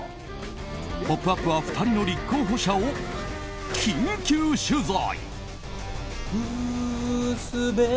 「ポップＵＰ！」は２人の立候補者を緊急取材。